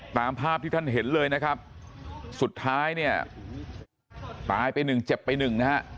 ตามภาพที่ท่านเห็นเลยนะครับสุดท้ายเนี่ยตายไปหนึ่งเจ็บไปหนึ่งนะฮะ